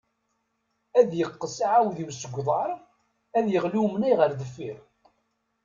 Ad iqqes aɛawdiw seg uḍar, ad iɣli umnay ɣer deffir.